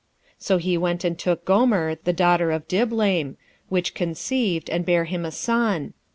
1:3 So he went and took Gomer the daughter of Diblaim; which conceived, and bare him a son.